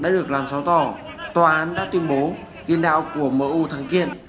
được làm rõ tỏ tòa án đã tuyên bố tiên đạo của mu thắng kiện